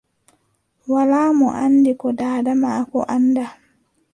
Walaa mo anndi ko daada maako anndaa.